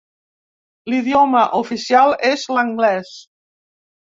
L'idioma oficial és l'anglès.